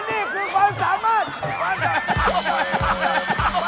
และที่เราขอครับ